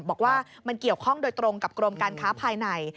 บอกว่ามันเกี่ยวข้องโดยตรงกับกรมการค้าภายใน